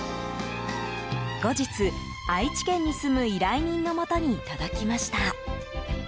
後日、愛知県に住む依頼人のもとに届きました。